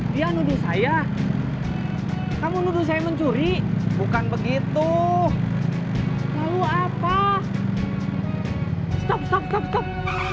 dia nuduh saya kamu nuduh saya mencuri bukan begitu lalu apa stop stop stop